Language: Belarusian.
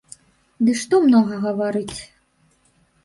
Ды што многа гаварыць!